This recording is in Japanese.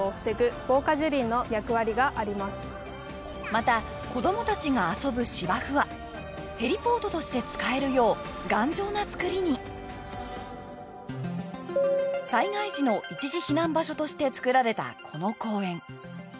また子どもたちが遊ぶ芝生はヘリポートとして使えるよう頑丈な作りに。として作られたこの公園。